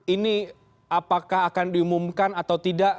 ini apakah akan diumumkan atau tidak